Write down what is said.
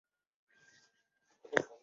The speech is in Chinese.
统制陈宧。